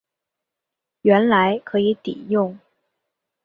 原来可以抵用